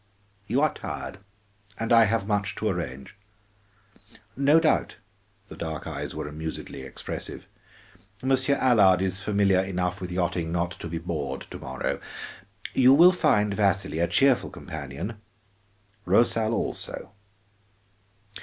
"You are tired, and I have much to arrange. No doubt," the dark eyes were amusedly expressive, "Monsieur Allard is familiar enough with yachting not to be bored to morrow. You will find Vasili a cheerful companion, Rosal also.